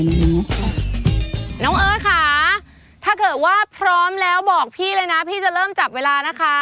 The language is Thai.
น้องเอิร์ทค่ะถ้าเกิดว่าพร้อมแล้วบอกพี่เลยนะพี่จะเริ่มจับเวลานะคะ